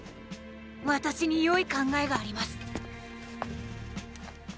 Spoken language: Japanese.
私によい考えがあります。